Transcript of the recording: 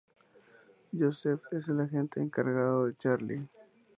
Joseph es el agente encargado de Charlie.